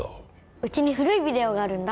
うちに古いビデオがあるんだ。